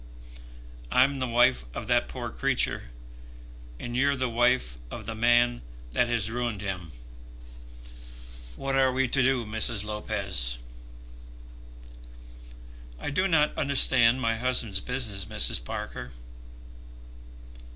I'm the wife of that poor creature, and you're the wife of the man that has ruined him. What are we to do, Mrs. Lopez?" "I do not understand my husband's business, Mrs. Parker."